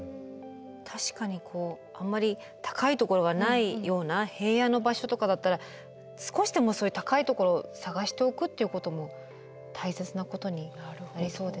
確かにあんまり高いところがないような平野の場所とかだったら少しでもそういう高いところを探しておくっていうことも大切なことになりそうですね。